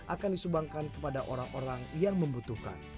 akan disumbangkan kepada orang orang yang membutuhkan